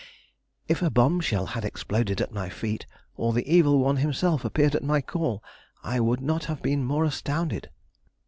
If a bombshell had exploded at my feet, or the evil one himself appeared at my call, I would not have been more astounded.